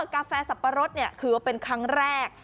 กาแฟสับปะรดถือว่าเป็นครั้งแรก